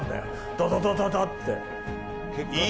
ダダダダダって。